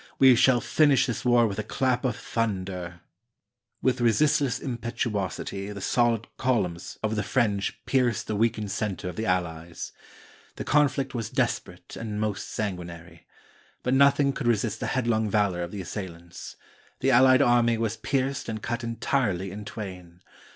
We shall finish this war with a clap of thunder." With resistless impetuosity, the solid columns of the 337 AUSTRIA HUNGARY French pierced the weakened center of the AlHes. The conflict was desperate and most sanguinary. But noth ing could resist the headlong valor of the assailants. The allied army was pierced and cut entirely in twain.